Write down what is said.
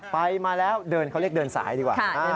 ไปมาแล้วเดินเขาเรียกเดินสายดีกว่า